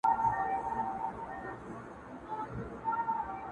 • یوه ورځ به په محفل کي, یاران وي, او زه به نه یم,